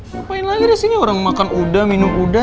ngapain lagi disini orang makan udah minum udah